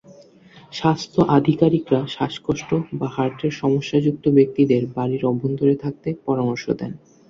স্বাস্থ্য আধিকারিকরা শ্বাসকষ্ট বা হার্টের সমস্যাযুক্ত ব্যক্তিদের বাড়ির অভ্যন্তরে থাকতে পরামর্শ দেন।